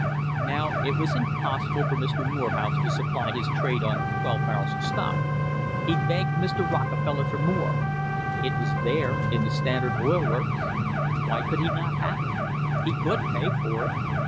Now it was impossible for Mr. Morehouse to supply his trade on twelve barrels of stock. He begged Mr. Rockefeller for more. It was there in the Standard Oil works. Why could he not have it? He could pay for it.